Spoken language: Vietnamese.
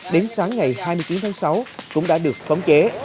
đến sáng ngày hai mươi chín tháng sáu cũng đã được khống chế